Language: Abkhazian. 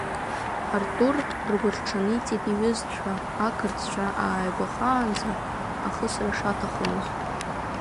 Артур ргәырҽаниҵеит иҩызцәа ақырҭцәа ааигәахаанӡа ахысра шаҭахымыз.